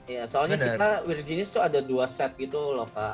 iya soalnya kita virginius itu ada dua set gitu loh kak